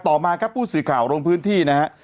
มาครับผู้สื่อข่าวลงพื้นที่นะฮะ